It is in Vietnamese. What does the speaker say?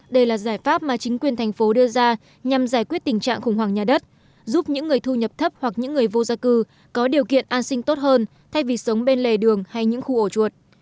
đây là giải pháp mà chính quyền thành phố đưa ra nhằm giải quyết tình trạng khủng hoảng nhà đất giúp những người thu nhập thấp hoặc những người vô gia cư có điều kiện an sinh tốt hơn thay vì sống bên lề đường hay những khu ổ chuột